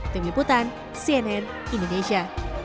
tim liputan cnn indonesia